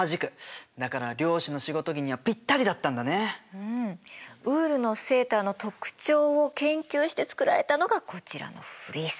うんウールのセーターの特徴を研究して作られたのがこちらのフリース。